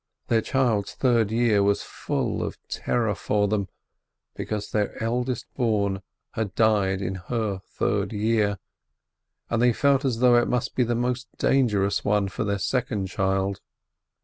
Their child's third year was full of terror for them, because their eldest born had died in her third year, and they felt as though it must be the most dangerous one for their second child.